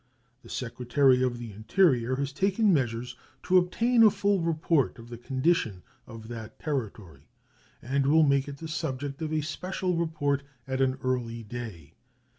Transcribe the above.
The Secretary of the Interior has taken measures to obtain a full report of the condition of that Territory, and will make it the subject of a special report at an early day.